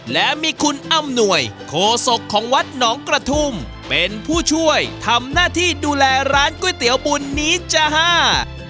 และมีคุณอำนวยโคศกของวัดหนองกระทุ่มเป็นผู้ช่วยทำหน้าที่ดูแลร้านก๋วยเตี๋ยวบุญนี้จ้าฮ่า